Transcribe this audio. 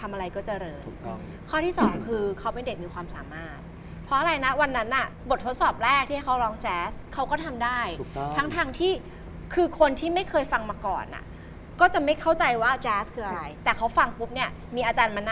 ไม่เคยมูเลยจนกระทั่งมาเจอกับจ๊ะ